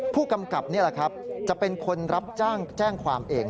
ผู้กำกับนี่แหละครับจะเป็นคนรับจ้างแจ้งความเอง